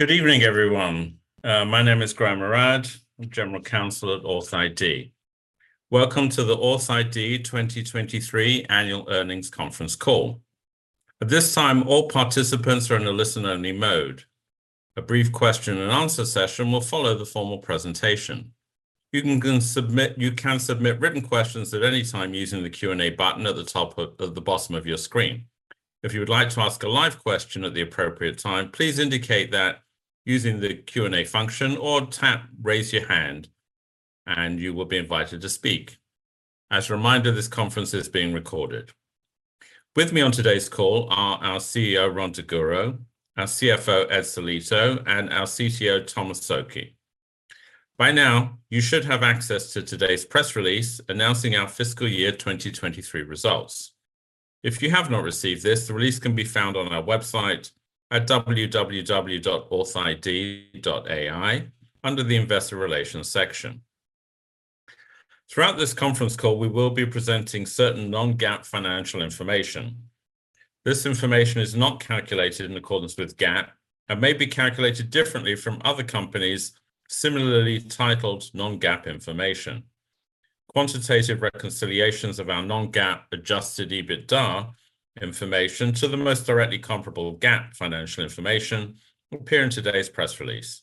Good evening, everyone. My name is Graham Mourad, General Counsel at authID. Welcome to the authID 2023 Annual Earnings Conference Call. At this time, all participants are in a listen-only mode. A brief question and answer session will follow the formal presentation. You can go and submit, you can submit written questions at any time using the Q&A button at the top of, at the bottom of your screen. If you would like to ask a live question at the appropriate time, please indicate that using the Q&A function or tap Raise Your Hand, and you will be invited to speak. As a reminder, this conference is being recorded. With me on today's call are our CEO, Rhon Daguro, our CFO, Ed Sellitto, and our CTO, Thomas Szoke. By now, you should have access to today's press release announcing our fiscal year 2023 results. If you have not received this, the release can be found on our website at www.authid.ai, under the Investor Relations section. Throughout this conference call, we will be presenting certain non-GAAP financial information. This information is not calculated in accordance with GAAP and may be calculated differently from other companies similarly titled non-GAAP information. Quantitative reconciliations of our non-GAAP Adjusted EBITDA information to the most directly comparable GAAP financial information appear in today's press release.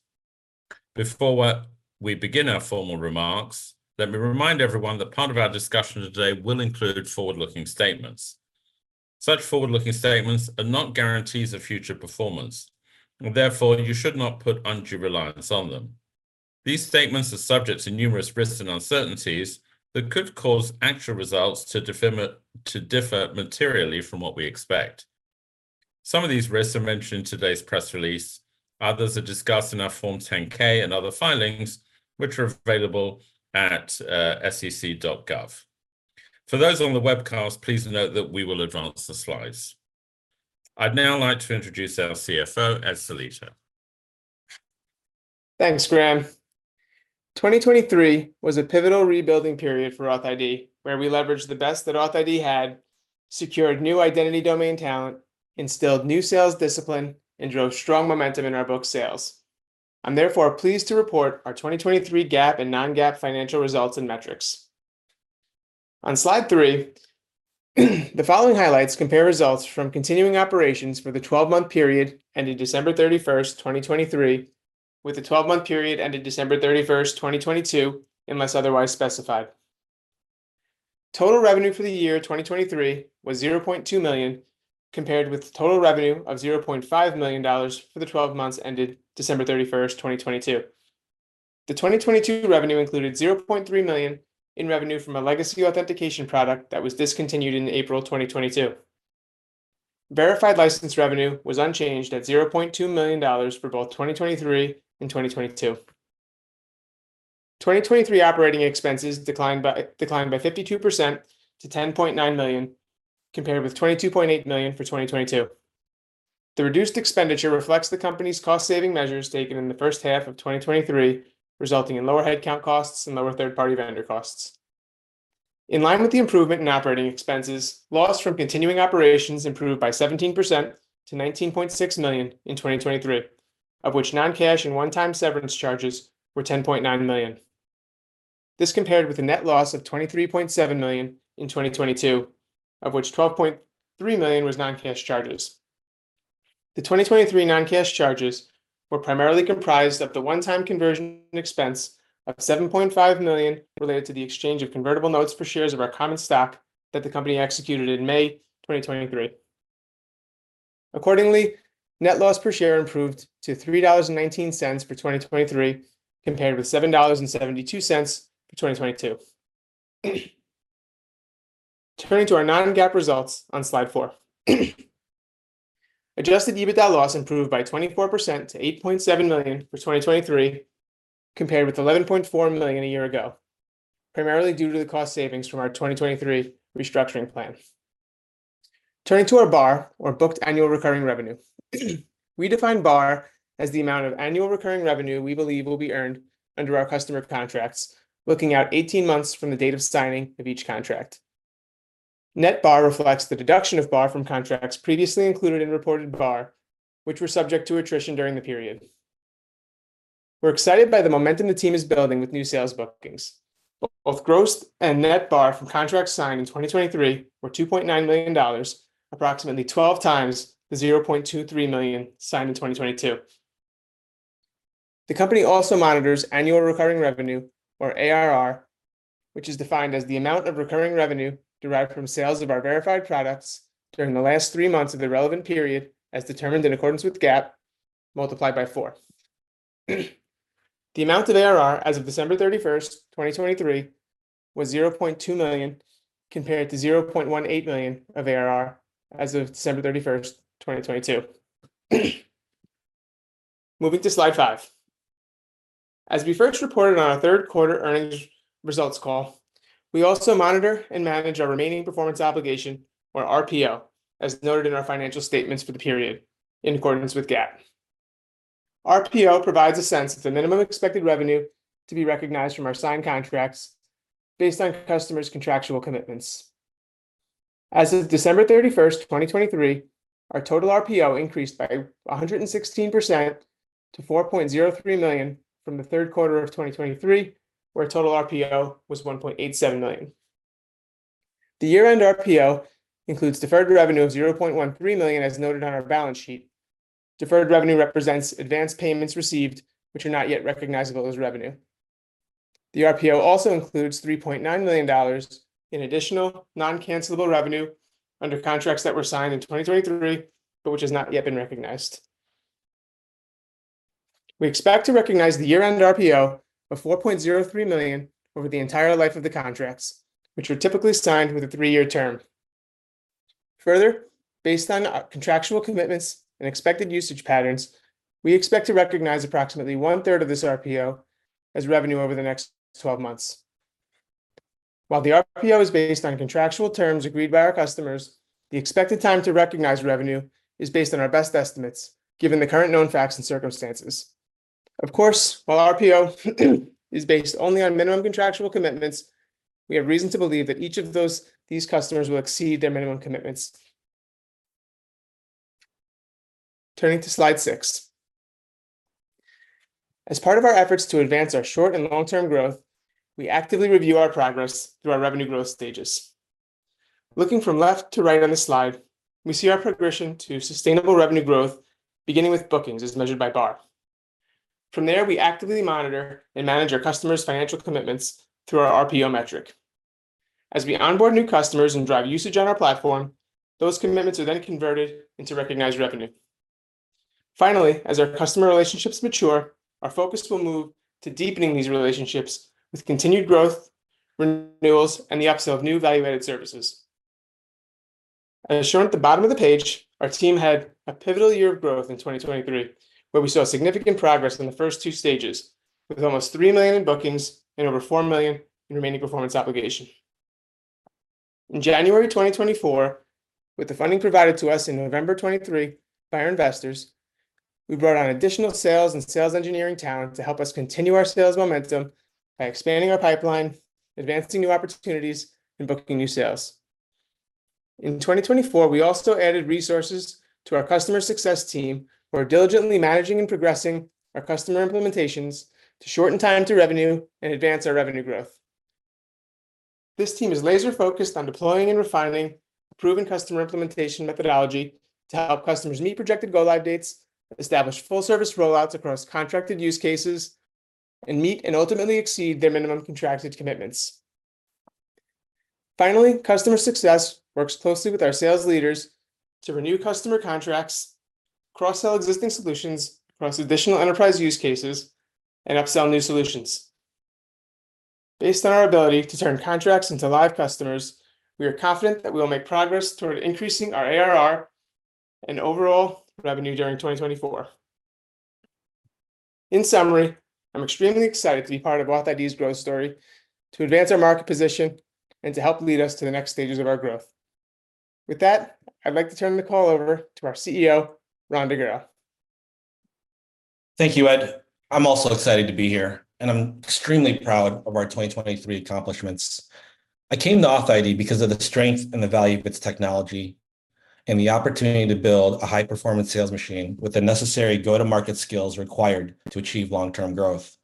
Before we begin our formal remarks, let me remind everyone that part of our discussion today will include forward-looking statements. Such forward-looking statements are not guarantees of future performance, and therefore, you should not put undue reliance on them. These statements are subject to numerous risks and uncertainties that could cause actual results to differ materially from what we expect. Some of these risks are mentioned in today's press release. Others are discussed in our Form 10-K and other filings, which are available at SEC.gov. For those on the webcast, please note that we will advance the slides. I'd now like to introduce our CFO, Ed Sellitto. Thanks, Graham. 2023 was a pivotal rebuilding period for authID, where we leveraged the best that authID had, secured new identity domain talent, instilled new sales discipline, and drove strong momentum in our book sales. I'm therefore pleased to report our 2023 GAAP and non-GAAP financial results and metrics. On slide three, the following highlights compare results from continuing operations for the 12-month period ended December 31, 2023, with the 12-month period ended December 31, 2022, unless otherwise specified. Total revenue for the year 2023 was $0.2 million, compared with total revenue of $0.5 million for the 12 months ended December 31, 2022. The 2022 revenue included $0.3 million in revenue from a legacy authentication product that was discontinued in April 2022. Verified license revenue was unchanged at $0.2 million for both 2023 and 2022. 2023 operating expenses declined by 52% to $10.9 million, compared with $22.8 million for 2022. The reduced expenditure reflects the company's cost-saving measures taken in the first half of 2023, resulting in lower headcount costs and lower third-party vendor costs. In line with the improvement in operating expenses, loss from continuing operations improved by 17% to $19.6 million in 2023, of which non-cash and one-time severance charges were $10.9 million. This compared with a net loss of $23.7 million in 2022, of which $12.3 million was non-cash charges. The 2023 non-cash charges were primarily comprised of the one-time conversion expense of $7.5 million related to the exchange of convertible notes for shares of our common stock that the company executed in May 2023. Accordingly, net loss per share improved to $3.19 for 2023, compared with $7.72 for 2022. Turning to our non-GAAP results on slide four. Adjusted EBITDA loss improved by 24% to $8.7 million for 2023, compared with $11.4 million a year ago, primarily due to the cost savings from our 2023 restructuring plan. Turning to our BAR, or booked annual recurring revenue. We define BAR as the amount of annual recurring revenue we believe will be earned under our customer contracts, looking out 18 months from the date of signing of each contract. Net BAR reflects the deduction of BAR from contracts previously included in reported BAR, which were subject to attrition during the period. We're excited by the momentum the team is building with new sales bookings. Both gross and net BAR from contracts signed in 2023 were $2.9 million, approximately 12x the $0.23 million signed in 2022. The company also monitors annual recurring revenue, or ARR, which is defined as the amount of recurring revenue derived from sales of our Verified products during the last three months of the relevant period, as determined in accordance with GAAP, multiplied by four. The amount of ARR as of December 31st, 2023, was $0.2 million, compared to $0.18 million of ARR as of December 31st, 2022. Moving to slide five. As we first reported on our third quarter earnings results call, we also monitor and manage our remaining performance obligation, or RPO, as noted in our financial statements for the period, in accordance with GAAP. RPO provides a sense of the minimum expected revenue to be recognized from our signed contracts based on customers' contractual commitments.... As of December 31st, 2023, our total RPO increased by 116% to $4.03 million from the third quarter of 2023, where total RPO was $1.87 million. The year-end RPO includes deferred revenue of $0.13 million, as noted on our balance sheet. Deferred revenue represents advance payments received, which are not yet recognizable as revenue. The RPO also includes $3.9 million in additional non-cancellable revenue under contracts that were signed in 2023, but which has not yet been recognized. We expect to recognize the year-end RPO of $4.03 million over the entire life of the contracts, which are typically signed with a three year term. Further, based on our contractual commitments and expected usage patterns, we expect to recognize approximately one-third of this RPO as revenue over the next 12 months. While the RPO is based on contractual terms agreed by our customers, the expected time to recognize revenue is based on our best estimates, given the current known facts and circumstances. Of course, while RPO is based only on minimum contractual commitments, we have reason to believe that each of these customers will exceed their minimum commitments. Turning to slide six. As part of our efforts to advance our short and long-term growth, we actively review our progress through our revenue growth stages. Looking from left to right on the slide, we see our progression to sustainable revenue growth, beginning with bookings as measured by BAR. From there, we actively monitor and manage our customers' financial commitments through our RPO metric. As we onboard new customers and drive usage on our platform, those commitments are then converted into recognized revenue. Finally, as our customer relationships mature, our focus will move to deepening these relationships with continued growth, renewals, and the upsell of new evaluated services. As shown at the bottom of the page, our team had a pivotal year of growth in 2023, where we saw significant progress in the first two stages, with almost $3 million in bookings and over $4 million in remaining performance obligation. In January 2024, with the funding provided to us in November 2023 by our investors, we brought on additional sales and sales engineering talent to help us continue our sales momentum by expanding our pipeline, advancing new opportunities, and booking new sales. In 2024, we also added resources to our customer success team, who are diligently managing and progressing our customer implementations to shorten time to revenue and advance our revenue growth. This team is laser-focused on deploying and refining proven customer implementation methodology to help customers meet projected go-live dates, establish full service rollouts across contracted use cases, and meet and ultimately exceed their minimum contracted commitments. Finally, customer success works closely with our sales leaders to renew customer contracts, cross-sell existing solutions across additional enterprise use cases, and upsell new solutions. Based on our ability to turn contracts into live customers, we are confident that we will make progress toward increasing our ARR and overall revenue during 2024. In summary, I'm extremely excited to be part of authID's growth story, to advance our market position, and to help lead us to the next stages of our growth. With that, I'd like to turn the call over to our CEO, Rhon Daguro. Thank you, Ed. I'm also excited to be here, and I'm extremely proud of our 2023 accomplishments. I came to authID because of the strength and the value of its technology, and the opportunity to build a high-performance sales machine with the necessary go-to-market skills required to achieve long-term growth.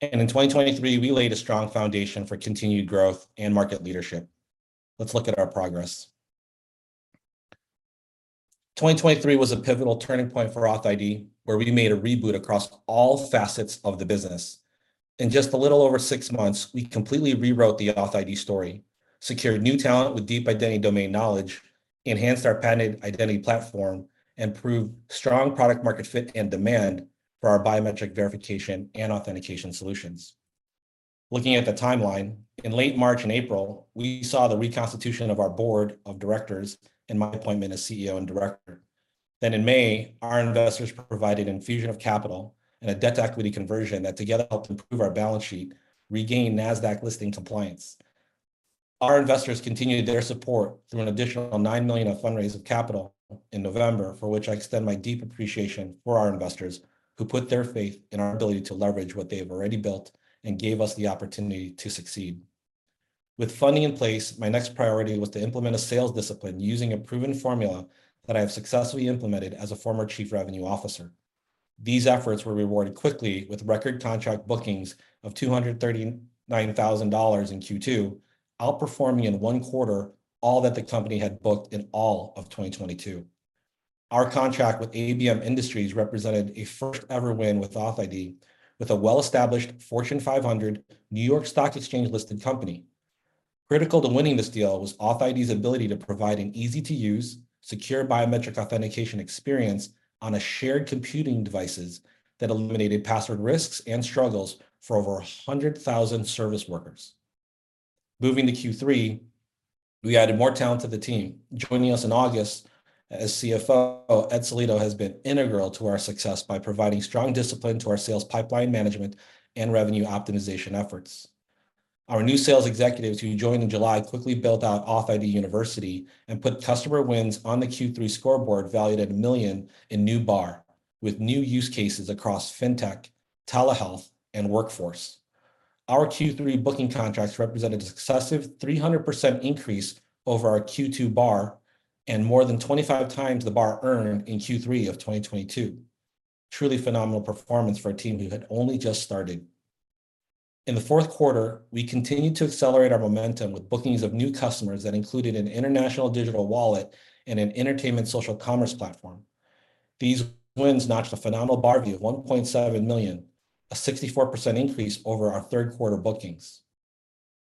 In 2023, we laid a strong foundation for continued growth and market leadership. Let's look at our progress. 2023 was a pivotal turning point for authID, where we made a reboot across all facets of the business. In just a little over six months, we completely rewrote the authID story, secured new talent with deep identity domain knowledge, enhanced our patented identity platform, and proved strong product market fit and demand for our biometric verification and authentication solutions. Looking at the timeline, in late March and April, we saw the reconstitution of our board of directors and my appointment as CEO and director. Then in May, our investors provided infusion of capital and a debt equity conversion that together helped improve our balance sheet, regain NASDAQ listing compliance. Our investors continued their support through an additional $9 million of fundraised capital in November, for which I extend my deep appreciation for our investors, who put their faith in our ability to leverage what they have already built and gave us the opportunity to succeed. With funding in place, my next priority was to implement a sales discipline using a proven formula that I have successfully implemented as a former chief revenue officer. These efforts were rewarded quickly with record contract bookings of $239,000 in Q2, outperforming in one quarter all that the company had booked in all of 2022. Our contract with ABM Industries represented a first-ever win with authID, with a well-established Fortune 500 New York Stock Exchange-listed company. Critical to winning this deal was authID's ability to provide an easy-to-use, secure biometric authentication experience on a shared computing devices that eliminated password risks and struggles for over 100,000 service workers. Moving to Q3, we added more talent to the team. Joining us in August as CFO, Ed Sellitto, has been integral to our success by providing strong discipline to our sales pipeline management and revenue optimization efforts. Our new sales executives, who joined in July, quickly built out AuthID University and put customer wins on the Q3 scoreboard, valued at $1 million in new BAR, with new use cases across fintech, telehealth, and workforce. Our Q3 booking contracts represented an excessive 300% increase over our Q2 BAR and more than 25 times the BAR earned in Q3 of 2022. Truly phenomenal performance for a team we had only just started. In the fourth quarter, we continued to accelerate our momentum with bookings of new customers that included an international digital wallet and an entertainment social commerce platform. These wins notched a phenomenal BAR of $1.7 million, a 64% increase over our third quarter bookings.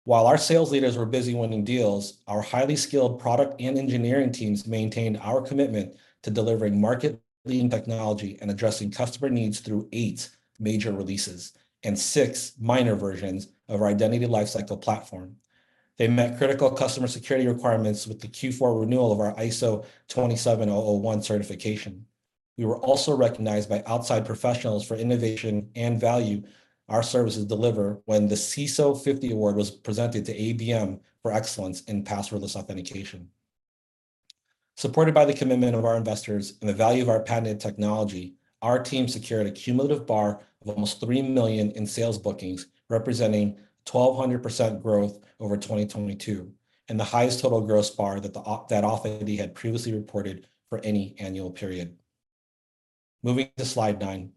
While our sales leaders were busy winning deals, our highly skilled product and engineering teams maintained our commitment to delivering market-leading technology and addressing customer needs through eight major releases and six minor versions of our Identity Lifecycle Platform. They met critical customer security requirements with the Q4 renewal of our ISO 27001 certification. We were also recognized by outside professionals for innovation and value our services deliver when the CISO 50 Award was presented to ABM for excellence in passwordless authentication. Supported by the commitment of our investors and the value of our patented technology, our team secured a cumulative BAR of almost $3 million in sales bookings, representing 1,200% growth over 2022, and the highest total gross BAR that authID had previously reported for any annual period. Moving to slide 9.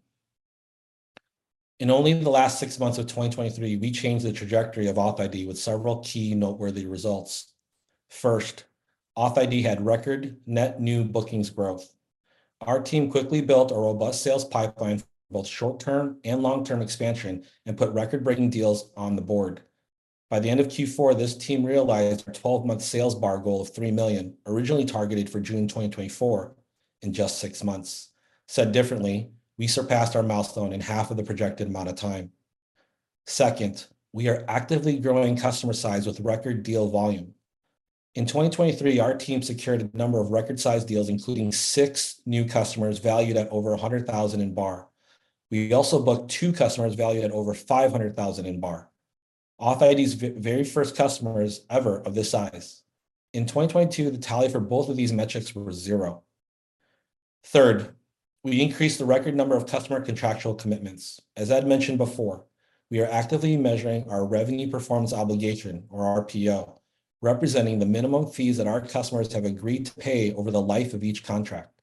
In only the last six months of 2023, we changed the trajectory of authID with several key noteworthy results. First, authID had record net new bookings growth. Our team quickly built a robust sales pipeline for both short-term and long-term expansion and put record-breaking deals on the board. By the end of Q4, this team realized our 12-month sales BAR goal of $3 million, originally targeted for June 2024, in just six months. Said differently, we surpassed our milestone in half of the projected amount of time. Second, we are actively growing customer size with record deal volume. In 2023, our team secured a number of record-size deals, including six new customers valued at over $100,000 in BAR. We also booked two customers valued at over $500,000 in BAR, authID's very first customers ever of this size. In 2022, the tally for both of these metrics were zero. Third, we increased the record number of customer contractual commitments. As I'd mentioned before, we are actively measuring our Revenue Performance Obligation, or RPO, representing the minimum fees that our customers have agreed to pay over the life of each contract.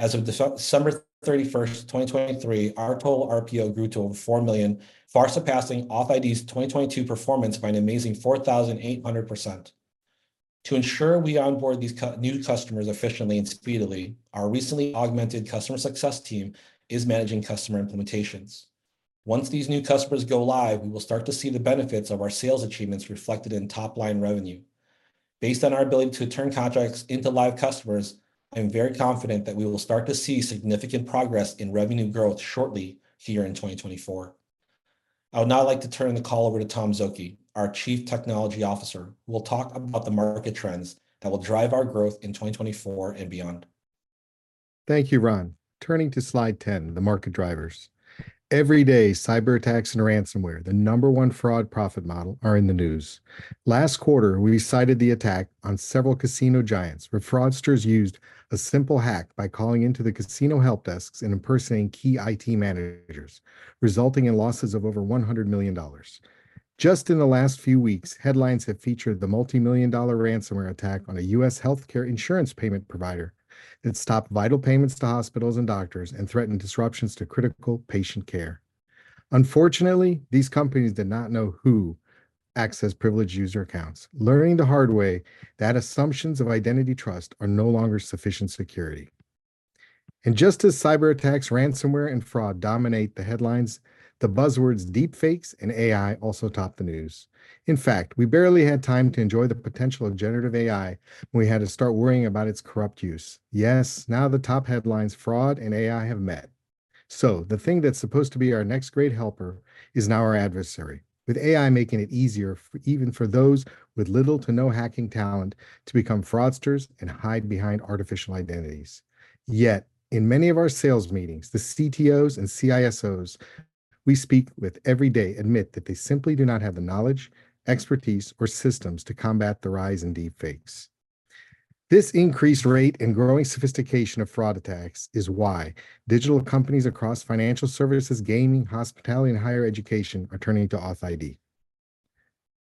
As of December 31, 2023, our total RPO grew to over $4 million, far surpassing authID's 2022 performance by an amazing 4,800%. To ensure we onboard these new customers efficiently and speedily, our recently augmented customer success team is managing customer implementations. Once these new customers go live, we will start to see the benefits of our sales achievements reflected in top-line revenue. Based on our ability to turn contracts into live customers, I'm very confident that we will start to see significant progress in revenue growth shortly here in 2024. I would now like to turn the call over to Tom Szoke, our Chief Technology Officer, who will talk about the market trends that will drive our growth in 2024 and beyond. Thank you, Rhon. Turning to Slide 10: The Market Drivers. Every day, cyberattacks and ransomware, the number one fraud profit model, are in the news. Last quarter, we cited the attack on several casino giants, where fraudsters used a simple hack by calling into the casino help desks and impersonating key IT managers, resulting in losses of over $100 million. Just in the last few weeks, headlines have featured the multimillion-dollar ransomware attack on a U.S. healthcare insurance payment provider that stopped vital payments to hospitals and doctors and threatened disruptions to critical patient care. Unfortunately, these companies did not know who accessed privileged user accounts, learning the hard way that assumptions of identity trust are no longer sufficient security. Just as cyberattacks, ransomware, and fraud dominate the headlines, the buzzwords deepfakes and AI also top the news. In fact, we barely had time to enjoy the potential of generative AI. We had to start worrying about its corrupt use. Yes, now the top headlines, fraud and AI, have met. So the thing that's supposed to be our next great helper is now our adversary, with AI making it easier even for those with little to no hacking talent to become fraudsters and hide behind artificial identities. Yet, in many of our sales meetings, the CTOs and CISOs we speak with every day admit that they simply do not have the knowledge, expertise, or systems to combat the rise in deepfakes. This increased rate and growing sophistication of fraud attacks is why digital companies across financial services, gaming, hospitality, and higher education are turning to authID.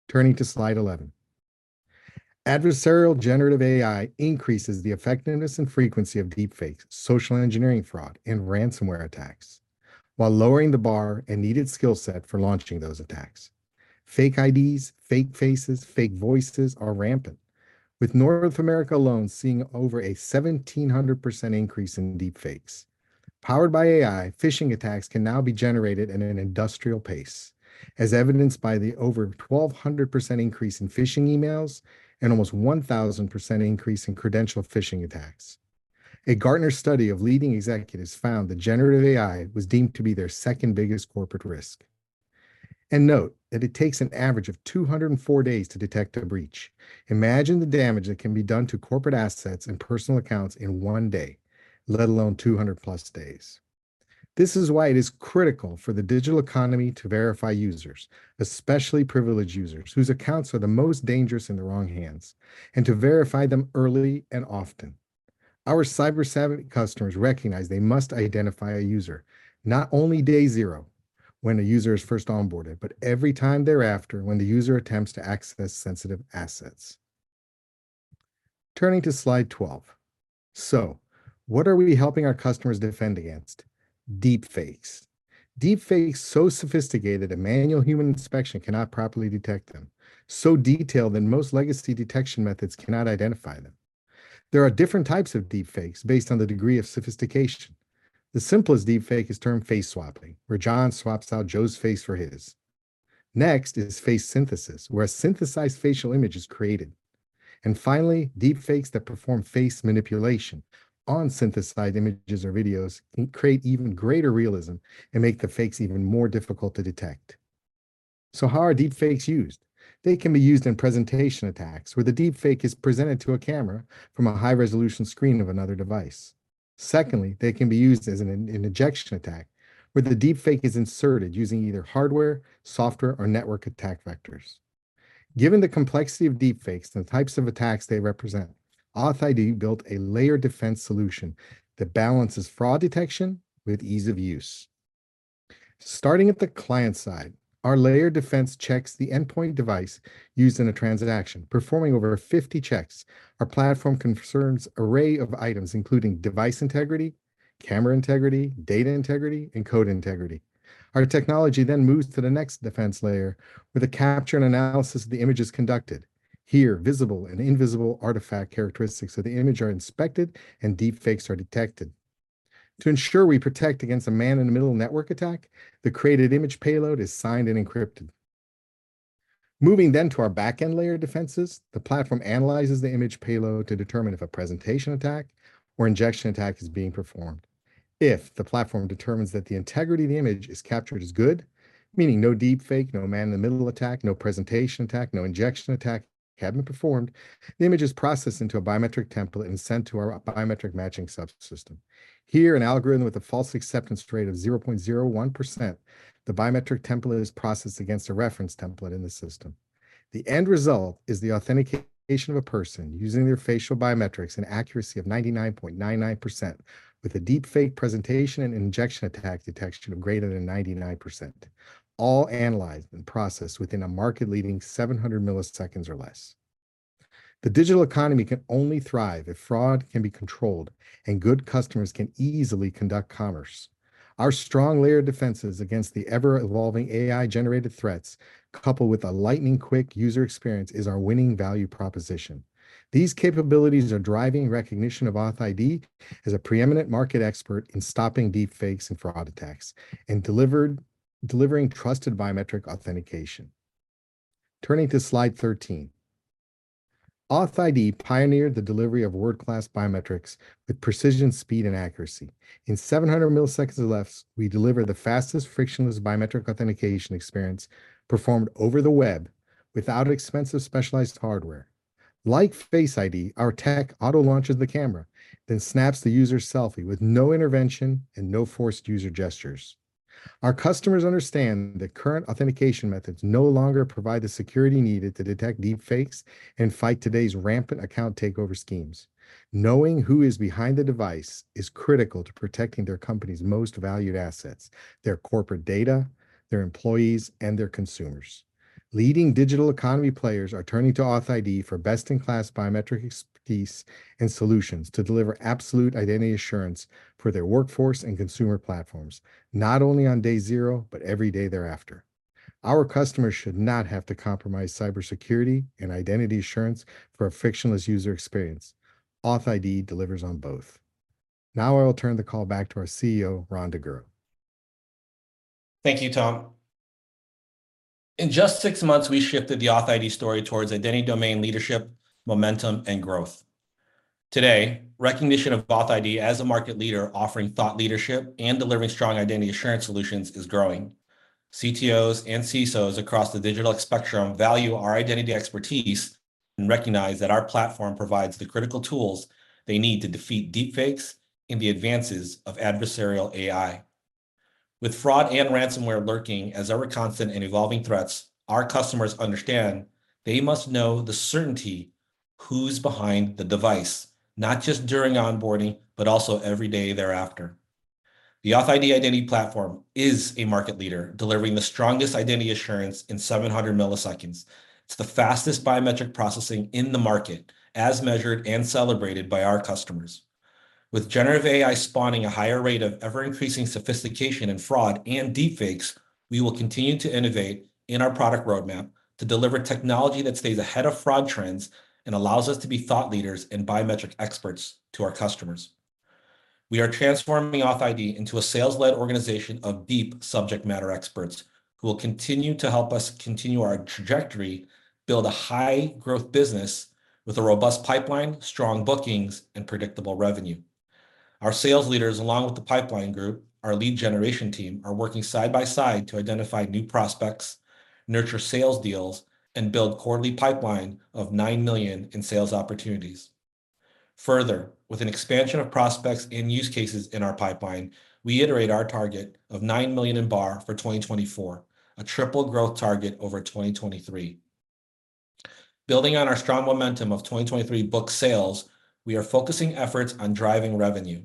Turning to Slide 11. Adversarial generative AI increases the effectiveness and frequency of deepfakes, social engineering fraud, and ransomware attacks, while lowering the BAR and needed skill set for launching those attacks. Fake IDs, fake faces, fake voices are rampant, with North America alone seeing over a 1,700% increase in deepfakes. Powered by AI, phishing attacks can now be generated at an industrial pace, as evidenced by the over 1,200% increase in phishing emails and almost 1,000% increase in credential phishing attacks. A Gartner study of leading executives found that generative AI was deemed to be their second biggest corporate risk. And note that it takes an average of 204 days to detect a breach. Imagine the damage that can be done to corporate assets and personal accounts in one day, let alone 200+ days. This is why it is critical for the digital economy to verify users, especially privileged users, whose accounts are the most dangerous in the wrong hands, and to verify them early and often. Our cyber savvy customers recognize they must identify a user, not only day zero when a user is first onboarded, but every time thereafter when the user attempts to access sensitive assets. Turning to slide 12. So what are we helping our customers defend against? Deepfakes. Deepfakes so sophisticated, a manual human inspection cannot properly detect them, so detailed that most legacy detection methods cannot identify them. There are different types of deepfakes based on the degree of sophistication. The simplest deepfake is termed face swapping, where John swaps out Joe's face for his. Next is face synthesis, where a synthesized facial image is created. And finally, deepfakes that perform face manipulation on synthesized images or videos can create even greater realism and make the fakes even more difficult to detect. So how are deepfakes used? They can be used in presentation attacks, where the deepfake is presented to a camera from a high-resolution screen of another device. Secondly, they can be used as an injection attack, where the deepfake is inserted using either hardware, software, or network attack vectors. Given the complexity of deepfakes and the types of attacks they represent, authID built a layered defense solution that balances fraud detection with ease of use. Starting at the client side, our layered defense checks the endpoint device used in a transaction, performing over 50 checks. Our platform concerns an array of items, including device integrity, camera integrity, data integrity, and code integrity. Our technology then moves to the next defense layer, where the capture and analysis of the image is conducted. Here, visible and invisible artifact characteristics of the image are inspected and deepfakes are detected. To ensure we protect against a man-in-the-middle network attack, the created image payload is signed and encrypted. Moving then to our back-end layer defenses, the platform analyzes the image payload to determine if a presentation attack or injection attack is being performed. If the platform determines that the integrity of the image is captured as good, meaning no deepfake, no man-in-the-middle attack, no presentation attack, no injection attack have been performed, the image is processed into a biometric template and sent to our biometric matching subsystem. Here, an algorithm with a false acceptance rate of 0.01%, the biometric template is processed against a reference template in the system. The end result is the authentication of a person using their facial biometrics and accuracy of 99.99%, with a deepfake presentation and injection attack detection of greater than 99%, all analyzed and processed within a market-leading 700 milliseconds or less. The digital economy can only thrive if fraud can be controlled and good customers can easily conduct commerce. Our strong layered defenses against the ever-evolving AI-generated threats, coupled with a lightning-quick user experience, is our winning value proposition. These capabilities are driving recognition of AuthID as a preeminent market expert in stopping deepfakes and fraud attacks, and delivering trusted biometric authentication. Turning to slide 13. AuthID pioneered the delivery of world-class biometrics with precision, speed, and accuracy. In 700 milliseconds or less, we deliver the fastest frictionless biometric authentication experience performed over the web without expensive specialized hardware. Like Face ID, our tech auto-launches the camera, then snaps the user's selfie with no intervention and no forced user gestures. Our customers understand that current authentication methods no longer provide the security needed to detect deepfakes and fight today's rampant account takeover schemes. Knowing who is behind the device is critical to protecting their company's most valued assets: their corporate data, their employees, and their consumers. Leading digital economy players are turning to AuthID for best-in-class biometric expertise and solutions to deliver absolute identity assurance for their workforce and consumer platforms, not only on day zero, but every day thereafter. Our customers should not have to compromise cybersecurity and identity assurance for a frictionless user experience. AuthID delivers on both. Now I will turn the call back to our CEO, Rhon Daguro. Thank you, Tom. In just six months, we shifted the authID story towards identity domain leadership, momentum, and growth. Today, recognition of authID as a market leader offering thought leadership and delivering strong identity assurance solutions is growing. CTOs and CSOs across the digital spectrum value our identity expertise and recognize that our platform provides the critical tools they need to defeat deepfakes and the advances of adversarial AI. With fraud and ransomware lurking as ever-constant and evolving threats, our customers understand they must know the certainty who's behind the device, not just during onboarding, but also every day thereafter. The authID identity platform is a market leader, delivering the strongest identity assurance in 700 milliseconds. It's the fastest biometric processing in the market, as measured and celebrated by our customers. With generative AI spawning a higher rate of ever-increasing sophistication in fraud and deepfakes, we will continue to innovate in our product roadmap to deliver technology that stays ahead of fraud trends and allows us to be thought leaders and biometric experts to our customers. We are transforming AuthID into a sales-led organization of deep subject matter experts who will continue to help us continue our trajectory, build a high growth business with a robust pipeline, strong bookings, and predictable revenue. Our sales leaders, along with the The Pipeline Group, our lead generation team, are working side by side to identify new prospects, nurture sales deals, and build quarterly pipeline of $9 million in sales opportunities. Further, with an expansion of prospects and use cases in our pipeline, we iterate our target of $9 million in bar for 2024, a triple growth target over 2023.... Building on our strong momentum of 2023 book sales, we are focusing efforts on driving revenue.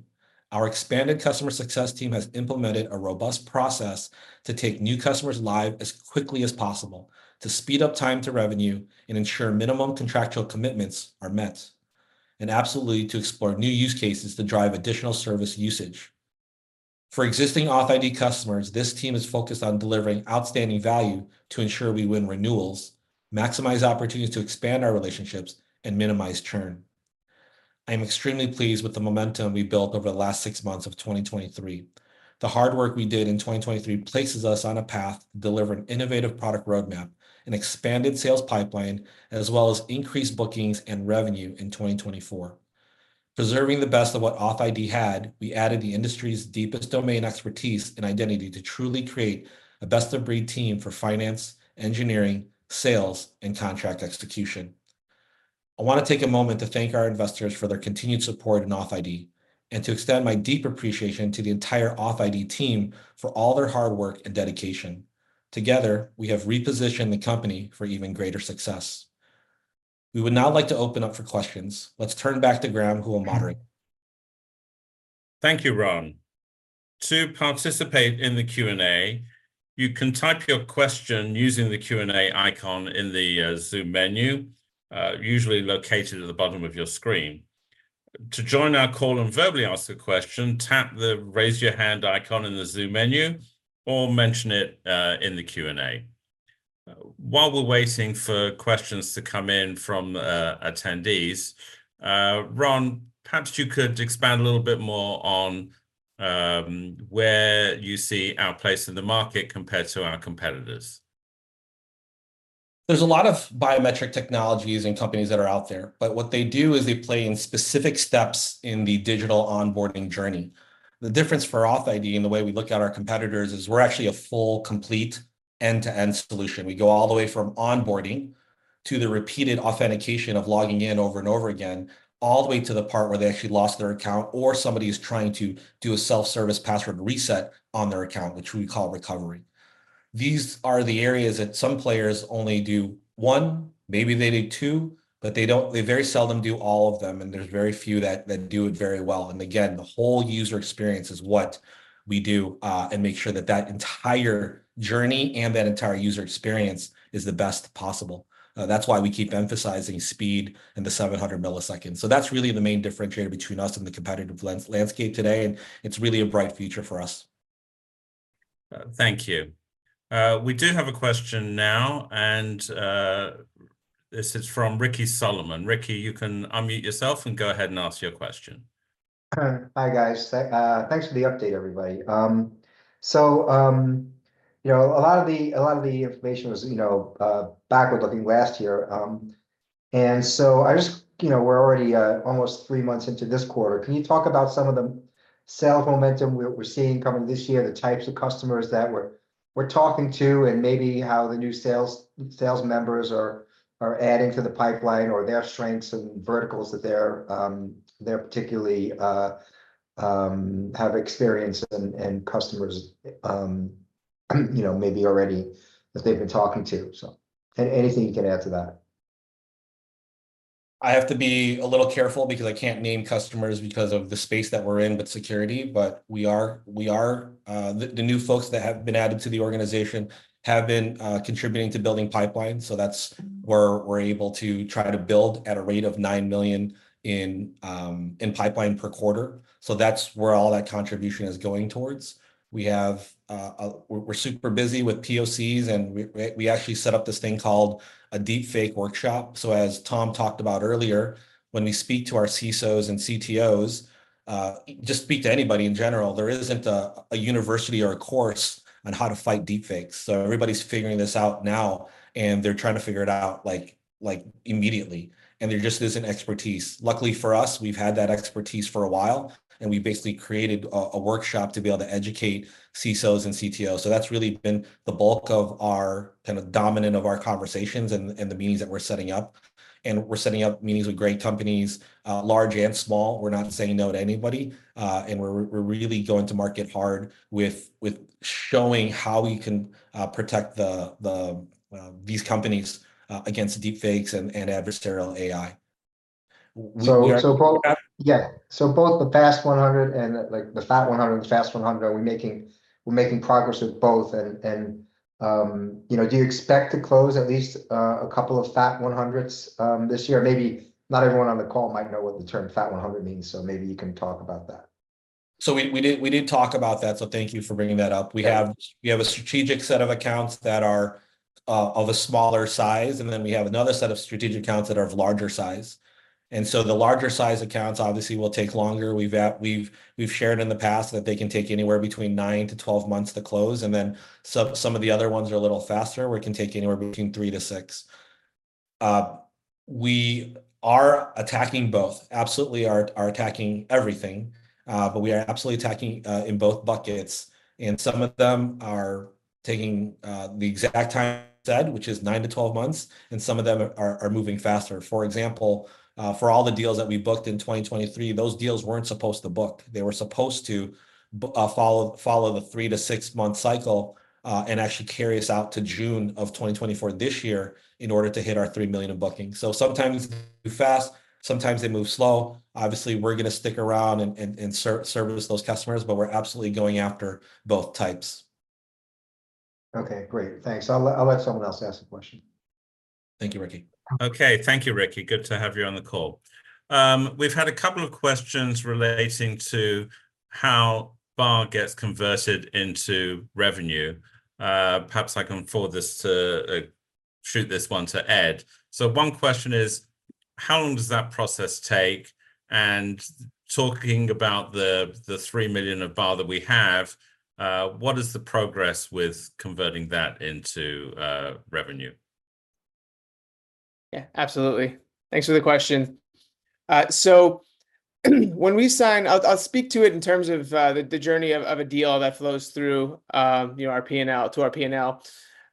Our expanded customer success team has implemented a robust process to take new customers live as quickly as possible, to speed up time to revenue, and ensure minimum contractual commitments are met, and absolutely to explore new use cases to drive additional service usage. For existing authID customers, this team is focused on delivering outstanding value to ensure we win renewals, maximize opportunities to expand our relationships, and minimize churn. I am extremely pleased with the momentum we built over the last six months of 2023. The hard work we did in 2023 places us on a path to deliver an innovative product roadmap, an expanded sales pipeline, as well as increased bookings and revenue in 2024. Preserving the best of what authID had, we added the industry's deepest domain expertise in identity to truly create a best-of-breed team for finance, engineering, sales, and contract execution. I want to take a moment to thank our investors for their continued support in authID, and to extend my deep appreciation to the entire authID team for all their hard work and dedication. Together, we have repositioned the company for even greater success. We would now like to open up for questions. Let's turn back to Graham, who will moderate. Thank you, Rhon. To participate in the Q&A, you can type your question using the Q&A icon in the Zoom menu, usually located at the bottom of your screen. To join our call and verbally ask a question, tap the Raise Your Hand icon in the Zoom menu, or mention it in the Q&A. While we're waiting for questions to come in from attendees, Rhon, perhaps you could expand a little bit more on where you see our place in the market compared to our competitors. There's a lot of biometric technologies and companies that are out there, but what they do is they play in specific steps in the digital onboarding journey. The difference for authID and the way we look at our competitors is we're actually a full, complete, end-to-end solution. We go all the way from onboarding to the repeated authentication of logging in over and over again, all the way to the part where they actually lost their account, or somebody is trying to do a self-service password reset on their account, which we call recovery. These are the areas that some players only do one, maybe they do two, but they don't, they very seldom do all of them, and there's very few that do it very well. And again, the whole user experience is what we do, and make sure that that entire journey and that entire user experience is the best possible. That's why we keep emphasizing speed and the 700 milliseconds. So that's really the main differentiator between us and the competitive landscape today, and it's really a bright future for us. Thank you. We do have a question now, and this is from Ricky Solomon. Ricky, you can unmute yourself and go ahead and ask your question. Hi, guys. Thanks for the update, everybody. So, you know, a lot of the, a lot of the information was, you know, backward-looking last year. And so I just. You know, we're already, almost three months into this quarter. Can you talk about some of the sales momentum we're, we're seeing coming this year, the types of customers that we're, we're talking to, and maybe how the new sales, sales members are, are adding to the pipeline or their strengths and verticals that they're, they're particularly, have experience and, and customers, you know, maybe already that they've been talking to? So anything you can add to that. I have to be a little careful because I can't name customers because of the space that we're in with security. But we are. The new folks that have been added to the organization have been contributing to building pipelines, so that's where we're able to try to build at a rate of $9 million in pipeline per quarter. So that's where all that contribution is going towards. We're super busy with POCs, and we actually set up this thing called a deepfake workshop. So as Tom talked about earlier, when we speak to our CISOs and CTOs, just speak to anybody in general, there isn't a university or a course on how to fight deepfakes. So everybody's figuring this out now, and they're trying to figure it out, like, immediately, and there just isn't expertise. Luckily for us, we've had that expertise for a while, and we basically created a workshop to be able to educate CISOs and CTOs. So that's really been the bulk of our kind of dominant of our conversations and the meetings that we're setting up. And we're setting up meetings with great companies, large and small. We're not saying no to anybody. And we're really going to market hard with showing how we can protect these companies against deepfakes and adversarial AI. So both- Yeah. Yeah. So both the Fortune 100 and, like, the Fortune 500 and Fortune 100, we're making progress with both? And you know, do you expect to close at least a couple of Fortune 500s this year? Maybe not everyone on the call might know what the term Fortune 500 means, so maybe you can talk about that. So we did talk about that, so thank you for bringing that up. Yeah. We have a strategic set of accounts that are of a smaller size, and then we have another set of strategic accounts that are of larger size. And so the larger size accounts obviously will take longer. We've shared in the past that they can take anywhere between nine months-12 months to close, and then some of the other ones are a little faster, where it can take anywhere between three to six. We are attacking both. Absolutely, we are attacking everything, but we are absolutely attacking in both buckets, and some of them are taking the exact time Ed said, which is nine months-12 months, and some of them are moving faster. For example, for all the deals that we booked in 2023, those deals weren't supposed to book. They were supposed to follow the three to six month cycle and actually carry us out to June of 2024, this year, in order to hit our $3 million in booking. So sometimes they move fast, sometimes they move slow. Obviously, we're gonna stick around and service those customers, but we're absolutely going after both types. Okay, great. Thanks. I'll let someone else ask a question. Thank you, Ricky. Okay. Thank you, Ricky. Good to have you on the call. We've had a couple of questions relating to how BAR gets converted into revenue. Perhaps I can forward this to, shoot this one to Ed. So one question is, how long does that process take? And talking about the three million of BAR that we have, what is the progress with converting that into, revenue? Yeah, absolutely. Thanks for the question. So when we sign. I'll, I'll speak to it in terms of the journey of a deal that flows through our P&L, to our P&L,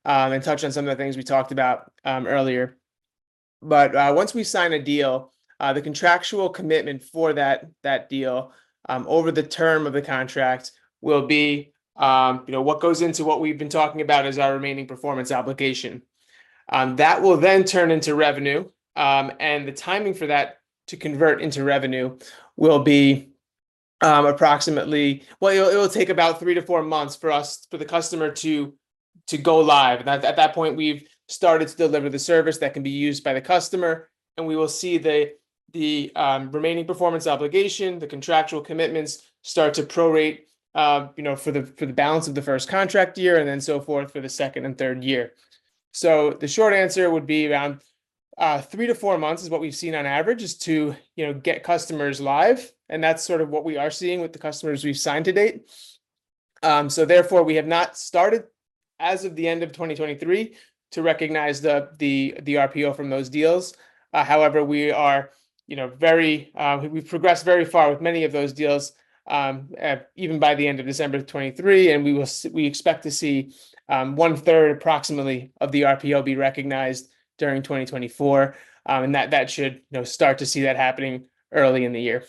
and touch on some of the things we talked about earlier. But once we sign a deal, the contractual commitment for that deal over the term of the contract will be you know what goes into what we've been talking about as our remaining performance obligation. That will then turn into revenue, and the timing for that to convert into revenue will be approximately. Well, it will take about three months to four months for us- for the customer to go live. At that point, we've started to deliver the service that can be used by the customer, and we will see the remaining performance obligation, the contractual commitments, start to prorate, you know, for the balance of the first contract year, and then so forth for the second and third year. So the short answer would be around three months to four months, is what we've seen on average, to get customers live, and that's sort of what we are seeing with the customers we've signed to date. So therefore, we have not started, as of the end of 2023, to recognize the RPO from those deals. However, we are, you know, very We've progressed very far with many of those deals, at even by the end of December of 2023, and we expect to see, one-third, approximately, of the RPO be recognized during 2024. And that, that should, you know, start to see that happening early in the year.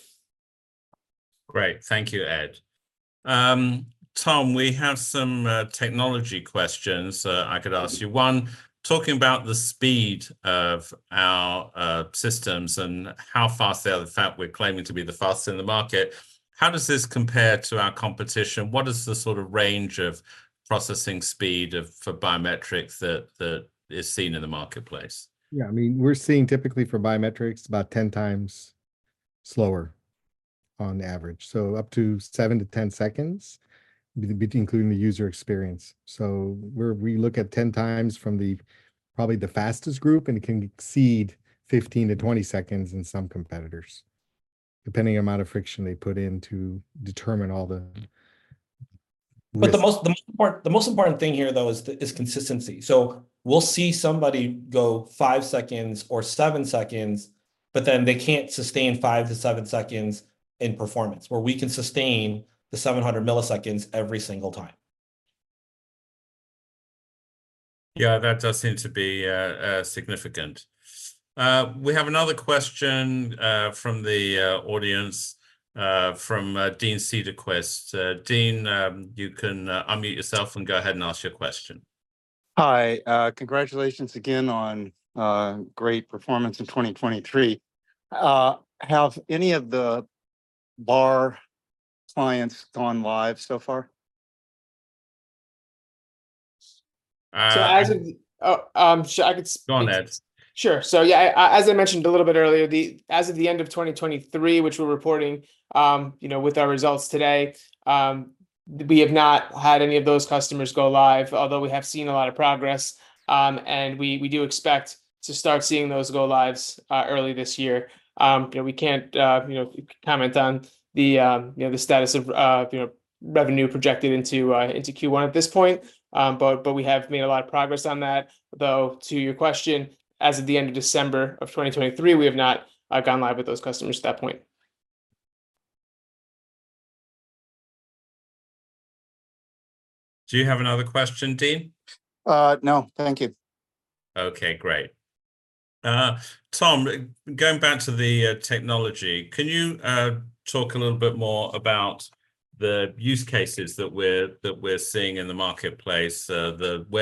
Great. Thank you, Ed. Tom, we have some technology questions I could ask you. One, talking about the speed of our systems and how fast they are, the fact we're claiming to be the fastest in the market, how does this compare to our competition? What is the sort of range of processing speed of for biometrics that is seen in the marketplace? Yeah, I mean, we're seeing typically for biometrics, about 10 times slower on average, so up to 7 seconds-10 seconds, including the user experience. So we look at 10x from the, probably the fastest group, and it can exceed 15-20 seconds in some competitors, depending on the amount of friction they put in to determine all the risk. But the most important thing here, though, is consistency. So we'll see somebody go 5 seconds or 7 seconds, but then they can't sustain 5 seconds-7 seconds in performance, where we can sustain the 700 milliseconds every single time. Yeah, that does seem to be significant. We have another question from the audience from Dean Cederquist. Dean, you can unmute yourself and go ahead and ask your question. Hi. Congratulations again on great performance in 2023. Have any of the BAR clients gone live so far? So as of. Oh, sure, I could s- Go on, Ed. Sure. So yeah, as I mentioned a little bit earlier, the, as of the end of 2023, which we're reporting, you know, with our results today, we have not had any of those customers go live, although we have seen a lot of progress. And we do expect to start seeing those go lives, early this year. You know, we can't, you know, comment on the, you know, the status of, you know, revenue projected into, into Q1 at this point. But we have made a lot of progress on that, though, to your question, as of the end of December of 2023, we have not, gone live with those customers at that point. Do you have another question, Dean? No. Thank you. Okay, great. Tom, going back to the technology, can you talk a little bit more about the use cases that we're seeing in the marketplace, where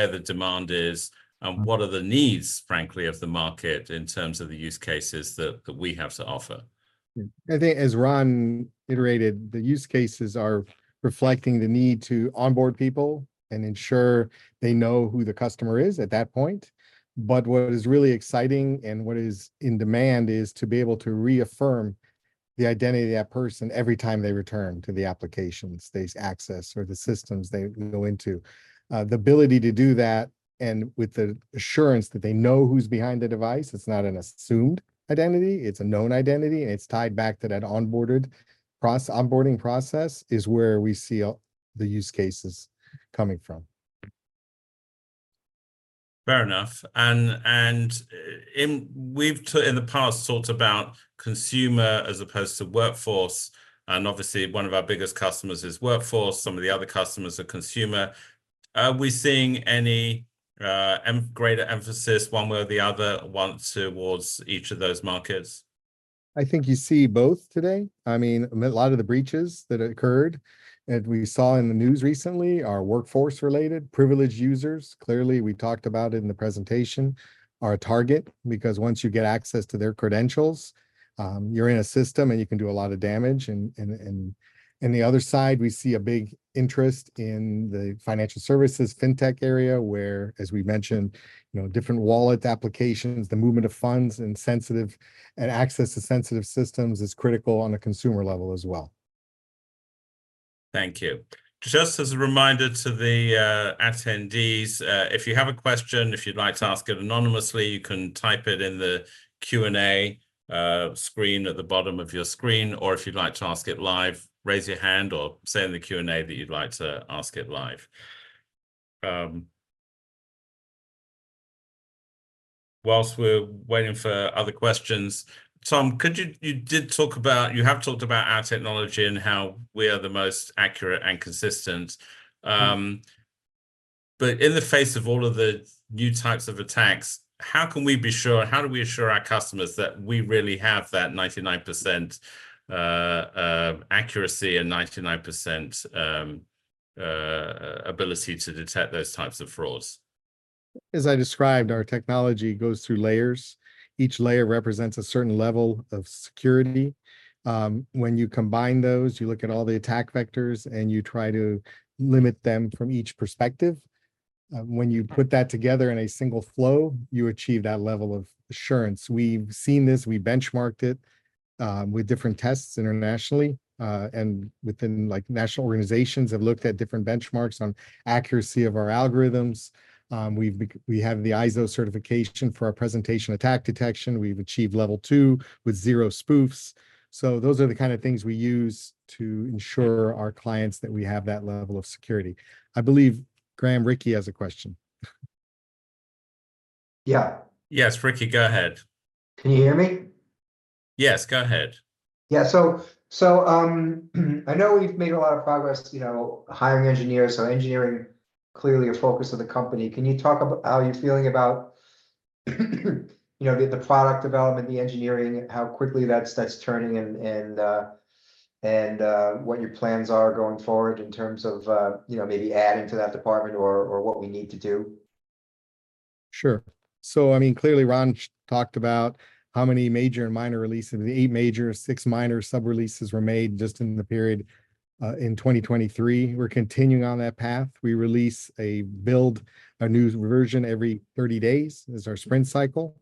the demand is, and what are the needs, frankly, of the market in terms of the use cases that we have to offer? I think, as Rhon iterated, the use cases are reflecting the need to onboard people and ensure they know who the customer is at that point. But what is really exciting and what is in demand is to be able to reaffirm the identity of that person every time they return to the applications they access or the systems they go into. The ability to do that, and with the assurance that they know who's behind the device, it's not an assumed identity, it's a known identity, and it's tied back to that onboarded onboarding process, is where we see all the use cases coming from. Fair enough. In the past, we've talked about consumer as opposed to workforce, and obviously one of our biggest customers is workforce. Some of the other customers are consumer. Are we seeing any greater emphasis one way or the other, one towards each of those markets? I think you see both today. I mean, a lot of the breaches that occurred, and we saw in the news recently, are workforce related. Privileged users, clearly we talked about it in the presentation, are a target, because once you get access to their credentials, you're in a system, and you can do a lot of damage. And the other side, we see a big interest in the financial services, fintech area, where, as we mentioned, you know, different wallet applications, the movement of funds, and sensitive and access to sensitive systems is critical on the consumer level as well. Thank you. Just as a reminder to the attendees, if you have a question, if you'd like to ask it anonymously, you can type it in the Q&A screen at the bottom of your screen, or if you'd like to ask it live, raise your hand or say in the Q&A that you'd like to ask it live. Whilst we're waiting for other questions, Tom, could you? You have talked about our technology and how we are the most accurate and consistent. But in the face of all of the new types of attacks, how can we be sure, how do we assure our customers that we really have that 99% accuracy and 99% ability to detect those types of frauds? As I described, our technology goes through layers. Each layer represents a certain level of security. When you combine those, you look at all the attack vectors, and you try to limit them from each perspective. When you put that together in a single flow, you achieve that level of assurance. We've seen this. We benchmarked it with different tests internationally. And within, like, national organizations have looked at different benchmarks on accuracy of our algorithms. We have the ISO certification for our presentation attack detection. We've achieved level two with zero spoofs. So those are the kind of things we use to ensure our clients that we have that level of security. I believe, Graham, Ricky has a question. Yeah. Yes, Ricky, go ahead. Can you hear me? Yes, go ahead. Yeah, so, I know we've made a lot of progress, you know, hiring engineers, so engineering, clearly a focus of the company. Can you talk about how you're feeling about, you know, the product development, the engineering, how quickly that's turning, and what your plans are going forward in terms of, you know, maybe adding to that department or what we need to do? Sure. So, I mean, clearly, Rhon talked about how many major and minor releases, the eight major, six minor sub-releases were made just in the period in 2023. We're continuing on that path. We release a build, a new version every 30 days. This is our sprint cycle.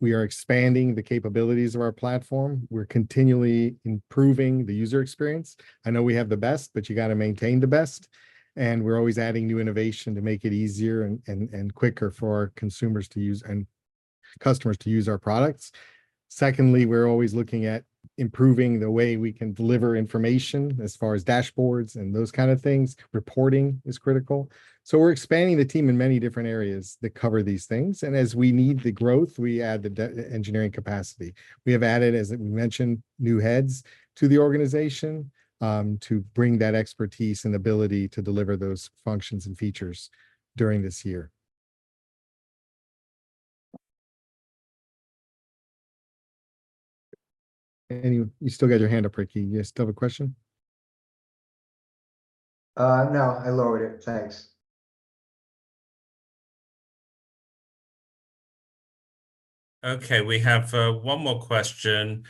We are expanding the capabilities of our platform. We're continually improving the user experience. I know we have the best, but you got to maintain the best, and we're always adding new innovation to make it easier and quicker for our consumers to use and customers to use our products. Secondly, we're always looking at improving the way we can deliver information as far as dashboards and those kind of things. Reporting is critical. So we're expanding the team in many different areas that cover these things, and as we need the growth, we add the engineering capacity. We have added, as we mentioned, new heads to the organization, to bring that expertise and ability to deliver those functions and features during this year. And you, you still got your hand up, Ricky. You still have a question? No, I lowered it. Thanks. Okay, we have one more question.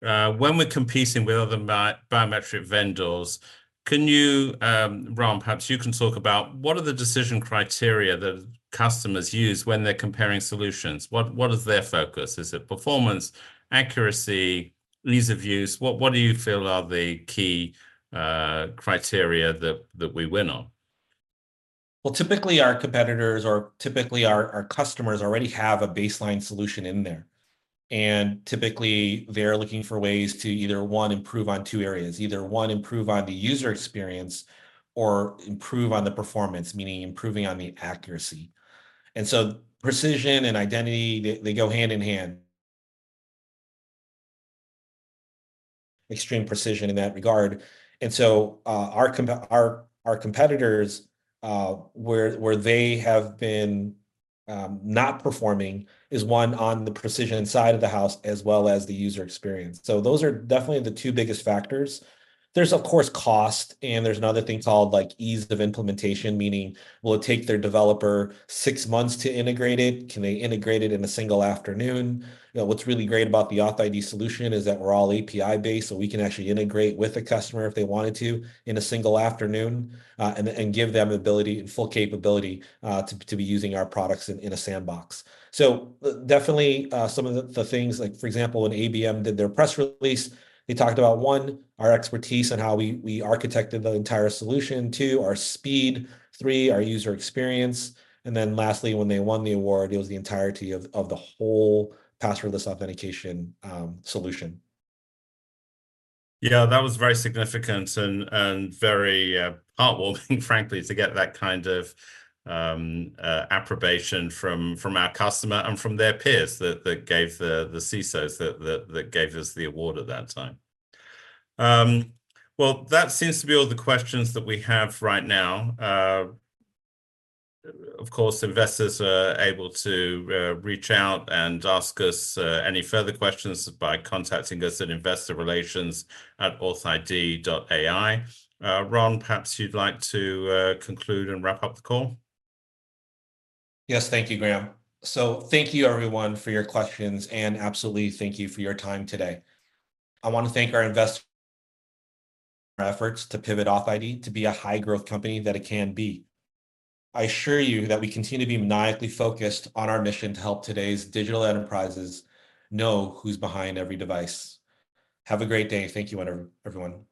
When we're competing with other biometric vendors, can you, Rhon, perhaps you can talk about what are the decision criteria that customers use when they're comparing solutions? What is their focus? Is it performance, accuracy, ease of use? What do you feel are the key criteria that we win on? Well, typically our competitors or typically our customers already have a baseline solution in there, and typically, they're looking for ways to either one, improve on two areas: either one, improve on the user experience, or improve on the performance, meaning improving on the accuracy. And so precision and identity, they go hand in hand. Extreme precision in that regard. And so, our competitors, where they have been not performing is, one, on the precision side of the house, as well as the user experience. So those are definitely the two biggest factors. There's of course cost, and there's another thing called, like, ease of implementation, meaning, will it take their developer six months to integrate it? Can they integrate it in a single afternoon? You know, what's really great about the authID solution is that we're all API-based, so we can actually integrate with the customer if they wanted to, in a single afternoon, and give them ability, full capability, to be using our products in a sandbox. So definitely, some of the things like, for example, when ABM did their press release, they talked about, one, our expertise on how we architected the entire solution; two, our speed; three, our user experience. And then lastly, when they won the award, it was the entirety of the whole passwordless authentication solution. Yeah, that was very significant and very heartwarming, frankly, to get that kind of approbation from our customer and from their peers that gave the CISO 50 that gave us the award at that time. Well, that seems to be all the questions that we have right now. Of course, investors are able to reach out and ask us any further questions by contacting us at investorrelations@authid.ai. Rhon, perhaps you'd like to conclude and wrap up the call? Yes. Thank you, Graham. So thank you everyone for your questions, and absolutely, thank you for your time today. I want to thank our efforts to pivot authID to be a high-growth company that it can be. I assure you that we continue to be maniacally focused on our mission to help today's digital enterprises know who's behind every device. Have a great day, and thank you everyone.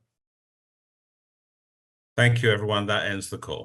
Thank you, everyone. That ends the call.